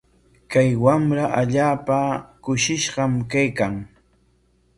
Kay wamra allaapa kushishqa kaykan.